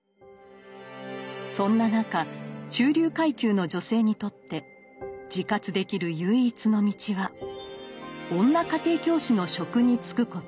そんな中中流階級の女性にとって自活できる唯一の道は女家庭教師の職に就くこと。